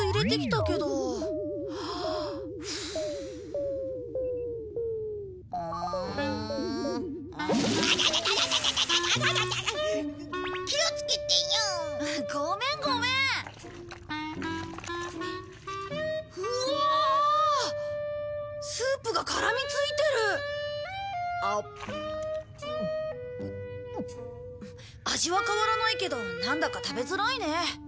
味は変わらないけどなんだか食べづらいね。